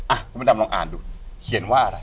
อ่ะคุณพระดำลองอ่านดูเขียนว่าอะไร